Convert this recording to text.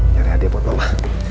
nyari hadiah buat mama